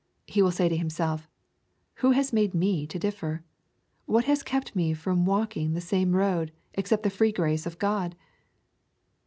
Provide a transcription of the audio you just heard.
He will say to himself, " Who has made me to differ ? What has kept me from walking in the same road, except the free grace of God